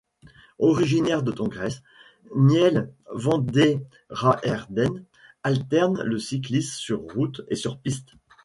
Originaire de Tongres, Niels Vanderaerden alterne le cyclisme sur route et sur piste.